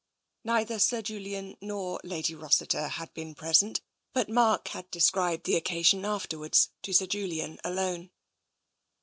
Neither Sir Julian nor Lady Rossiter had been pres ent, but Mark had described the occasion afterwards to Sir Julian alone.